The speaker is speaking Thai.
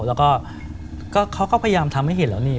แล้วก็เขาก็พยายามทำให้เห็นแล้วนี่